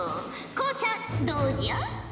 こうちゃんどうじゃ？